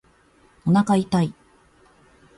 おなか痛い